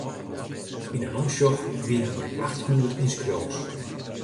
Yn in omsjoch wiene der achthûndert ynskriuwers.